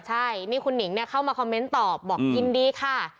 ใช่นี่คุณหนิงเข้ามาคอมเมนต์ตอบบอกยินดีค่ะ